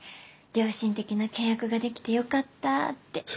良心的な契約ができてよかったって。